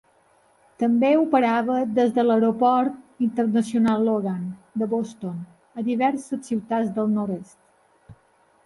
També operava des de l'Aeroport Internacional Logan de Boston a diverses ciutats del nord-est.